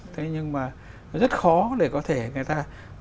thế nhưng mà rất khó để có thể người ta